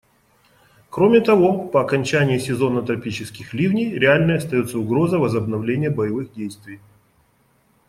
Кроме того, по окончании сезона тропических ливней реальной остается угроза возобновления боевых действий.